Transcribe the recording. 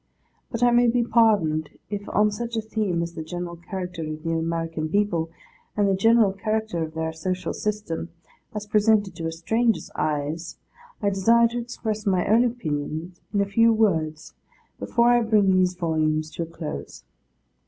But I may be pardoned, if on such a theme as the general character of the American people, and the general character of their social system, as presented to a stranger's eyes, I desire to express my own opinions in a few words, before I bring these volumes to a close.